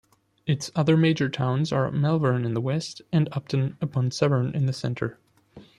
Its other major towns are Malvern in the west and Upton-upon-Severn in the centre.